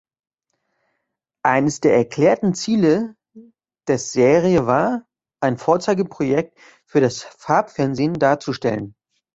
Eines der erklärten Ziele des Serie war, ein Vorzeigeprojekt für das Farbfernsehen darzustellen.